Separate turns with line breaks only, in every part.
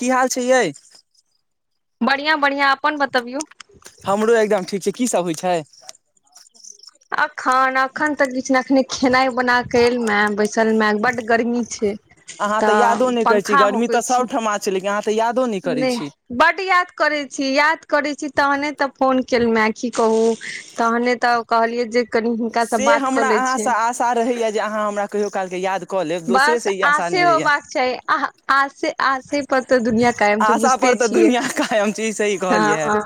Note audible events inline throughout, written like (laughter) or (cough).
की हाल छै यै
बढ़िआँ बढ़िआँ अपन बतबियौ
हमरो एकदम ठीक छै की सब होइ छै
अखन अखन तक किए नै एखनी खेनाइ बना क जलु आ सल मे बड गर्मी छै
अहाँ
तऽ पंखा होकैय छी
से लेकिन अहाँ तऽ यादो नय करै छी
बड्ड याद करैत छी याद करैत छी तहने तऽ फोन केलुअ की कहू तहने तऽ कहलियै जे कनि हिनका स
से
बात कऽ
हमरा
लै छै
अहाँसँ रहैया जे अहाँ हमरा कहियो काल के याद कऽ लेब
बस
दोसरेसँ ई आशा
आसे
नहि रहैया
होबाक चाही आसे आसे प तऽ दुनिया कायम छै
आशा
बुझते
पर तऽ
छियै
दुनिया कायम छै ई सही
हँ
कहलियै
हँ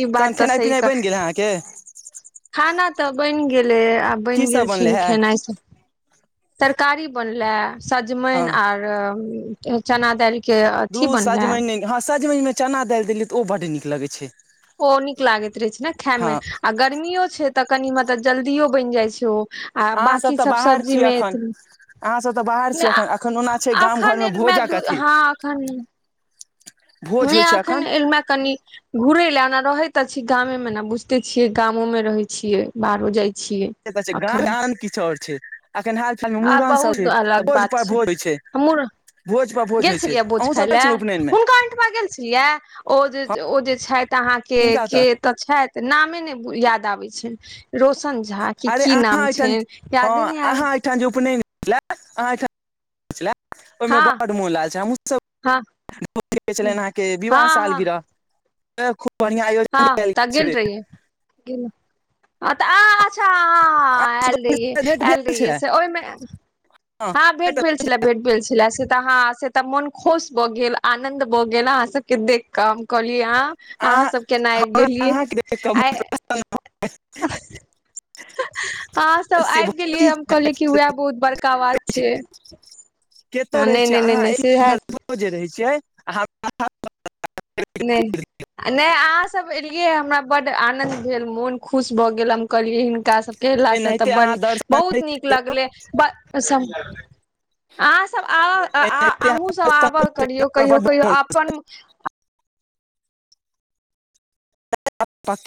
ई
तहन
बात तऽ
खेनाइ
सही
पिनाइ
क
बनि गेल अहाँके
खाना तऽ बैन गेलै आ बैश
की
गेल
सब बनलै
छैन
हे
खेनाइसँ तरकारी बनले
हँ
सजमैन आर चना दैल
धु सजमैन हँ सजमनिमे चना दैल देलियै तऽ ओ बड्ड नीक लगै छै
ओ नीक लागैत रहै छै ने
हँ
खमे आ गर्मियो छै तऽ कनि मतलब जल्दिओ बैन जैइ छै ओ आ
अहाँ
बकी
तऽ
सब
बाहर छी
सब्जीमे
अखन
एथि
अहाँ सब तऽ बाहर छी अखन अखन ओना छै गाम घर मे
एखनमेू
भोजक
दु
अथी
हां एखन
भोज
ने
होइ छै अखन
आखन‌ जलु म कनी घुरै ला ना रहे त छी गामे मे न बुझते छियै गामो म रहे छियै बाहरो जाय छियै
गामव
अखन
आन किछु ओर छै एखन हाल
आ
मुड़न सब
बहुत
हेय तऽ
अलग
भोज
बात
पर भोज हो छै
हमहुँ
भोज पर भोज
गेल
होइ छै
छलियै बोझ
अहूँ सब गेल
खायले
छलहुँ उपनयन मे
हुनका ठमा गेल छलियै ओ जे
हँ
ओ जे छैथ अहाँ के
किनका ओतऽ
के तऽ छैथ नामे ने याद आबै छै रौशन झा कि
अरे
कि
अहाँ
नाम
एहिठाम
छैन
हँ
यादे न आबै
अहाँ एहिठाम जे उपनयन अहाँ एहिठाम ओहिमे
हँ
बड्ड मोन लागल छै
हँ
हमहूँसब छल अहाँ के विवाह
हँ
साल
हँ
गिरह खूब बढ़ियां आयोजन कयल गेल छलै
कना तऽ अच्छा
अहाँके
आल रहिय
भेट
आल
भेल
रहिय
छलै
से ओहिमे हँ भेट भेलेल छला भेट भेल छला से तऽ हा से त मोन खुश भऽ गेल आनंद भ गेल अहाँ सब के देख क हम कहलिय अन अहाँ सब केना आब
हमरा
गेलियै
अहाँके देख कऽ
आइ (inaudible) अहा सब
से
ऐब
की
गेलियै हम कहलियै कि वएह बहुत बड़का बात छै
कतौ
ह
रहै
नय
छियै
नय नय
अहाँ
नह
एक
से आ
किलोमीटर जे रहैत छियै आ
नय नय अहाँ सब एलियै हमरा बड्ड आनन्द भेल मोन खुश भऽ गेल हम कहलियै हिनका स केलासँ
एनाहिते
तऽ
अहाँ
बन
दर्शन
बहुत नीक लगले बऽ स अहाँसभ आऽ आ आ अहूँसभ आबऽ करियौ कहियो
बड्ड
कहियो अपन